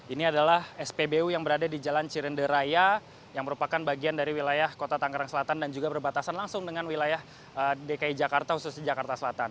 ini adalah spbu yang berada di jalan cirenderaya yang merupakan bagian dari wilayah kota tangerang selatan dan juga berbatasan langsung dengan wilayah dki jakarta khususnya jakarta selatan